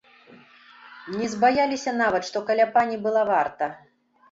Не збаяліся нават, што каля пані была варта.